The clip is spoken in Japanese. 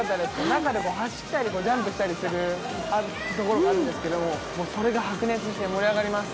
中でも走ったりジャンプしたりするところがあるんですけどももうそれが白熱して盛り上がります。